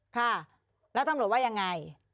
ค่ะแล้วตำรวจว่ายังไง